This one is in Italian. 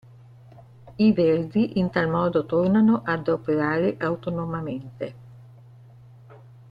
I Verdi in tal modo tornano a operare autonomamente.